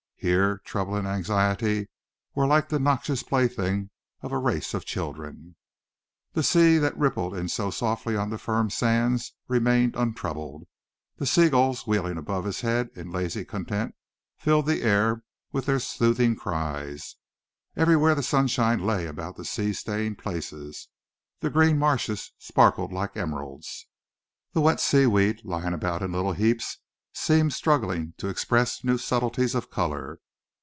Here, trouble and anxiety were like the noxious playthings of a race of children. The sea that rippled in so softly on to the firm sands remained untroubled. The seagulls wheeling above his head in lazy content filled the air with their soothing cries. Everywhere the sunshine lay about the sea stained places. The green marshes sparkled like emeralds. The wet seaweed, lying about in little heaps, seemed struggling to express new subtleties of color.